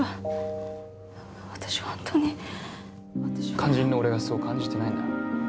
肝心の俺がそう感じてないんだ。